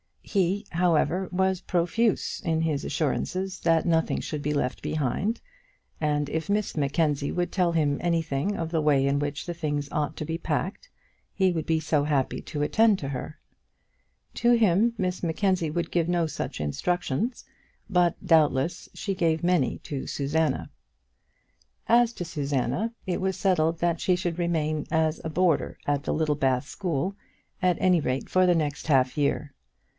He, however, was profuse in his assurances that nothing should be left behind, and if Miss Mackenzie would tell him anything of the way in which the things ought to be packed, he would be so happy to attend to her! To him Miss Mackenzie would give no such instructions, but, doubtless, she gave many to Susanna. As to Susanna, it was settled that she should remain as a boarder at the Littlebath school, at any rate for the next half year.